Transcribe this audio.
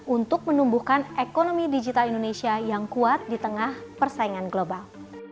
untuk menumbuhkan ekonomi digital indonesia yang kuat di tengah persaingan global